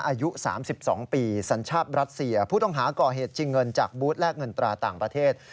อายุ๓๒ปีสัญชาติรัสเซียผู้ต้องหาก่อเหตุชิงเงินจากบูธแลกเงินตราต่างประเทศ